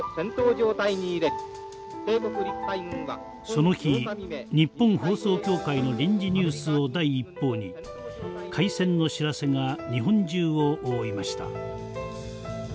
その日日本放送協会の臨時ニュースを第一報に開戦の知らせが日本中を覆いました。